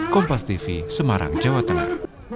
kompas tv semarang jawa tengah